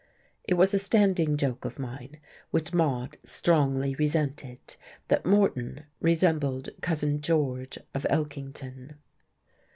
It was a standing joke of mine which Maude strongly resented that Moreton resembled Cousin George of Elkington.